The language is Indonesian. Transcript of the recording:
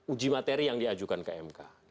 uji materi yang diajukan ke mk